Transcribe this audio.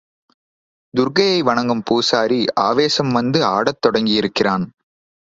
துர்க்கையை வணங்கும் பூசாரி ஆவேசம் வந்து ஆடத் தொடங்கியிருக்கிறான்.